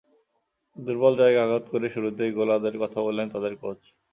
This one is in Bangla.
দুর্বল জায়গা আঘাত করে শুরুতেই গোল আদায়ের কথা বললেন তাদের কোচ।